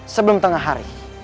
sebelum tengah hari